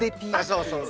そうそう。